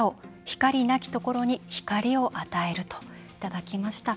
光なき所に光を与える」といただきました。